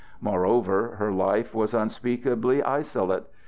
Moreover, her life was unspeakably isolate.